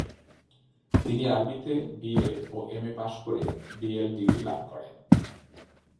তিনি আরবিতে বিএ ও এমএ পাস করে বিএল ডিগ্রি লাভ করেন।